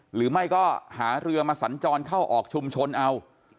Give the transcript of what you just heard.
หรือไม่ก็หาเรือมาสัญจรเข้าออกชุมชนเอา